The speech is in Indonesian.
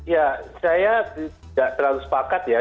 ya saya tidak terlalu sepakat ya